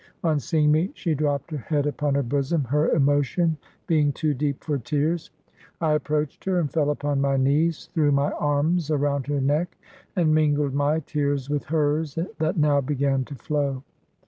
On seeing me, she dropped her head upon her bosom, her emotion being too deep for tears. I approached her and fell upon my knees, threw my arms around her neck, and mingled my tears with hers, that now began to flow.